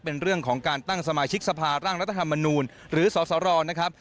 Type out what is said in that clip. เป็นเรื่องของการตั้งสมาชิกสภาร่างรัฐธรรมนูลหรือสสรนะครับ